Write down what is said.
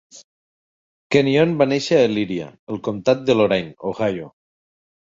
Kenyon va néixer a Elyria, al comtat de Lorain, Ohio.